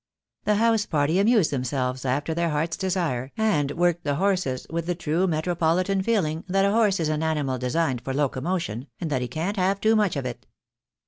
The house party amused themselves after their hearts' desire, and worked the horses with the true metropolitan feeling that a horse is an animal designed for locomotion, and 14* 2 12 THE DAY WILL COME. that he can't have too much of it.